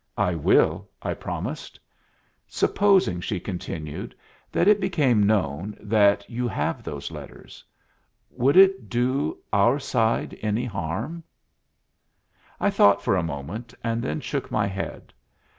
"I will," I promised. "Supposing," she continued, "that it became known that you have those letters? Would it do our side any harm?" I thought for a moment, and then shook my head.